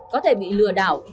có thể bị lừa đảo